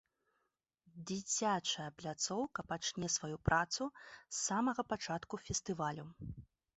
Дзіцячая пляцоўка пачне сваю працу з самага пачатку фестывалю.